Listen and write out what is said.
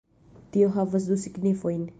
Tio havas du signifojn